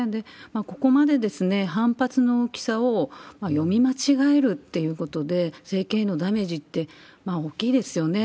ここまで反発の大きさを読み間違えるっていうことで、政権へのダメージって大きいですよね。